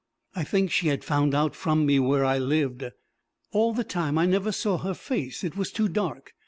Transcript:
I think she had found out from me where I lived. All the time I never saw her face: it was too dark.